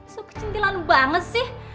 so kecintilan banget sih